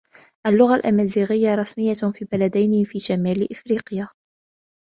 اللغة الامازيغية رسمية في بلدين في شمال إفريقيا.